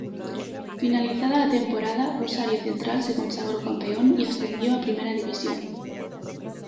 Finalizada la temporada, Rosario Central se consagró campeón y ascendió a Primera División.